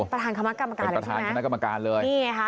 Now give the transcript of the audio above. เป็นประธานคำนักกรรมการอย่างนี้นะ